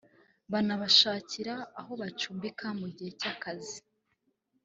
banabashakira aho bacumbika mu gihe cy’akazi